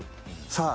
さあ。